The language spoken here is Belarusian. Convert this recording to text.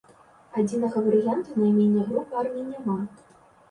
Адзінага варыянту наймення груп армій няма.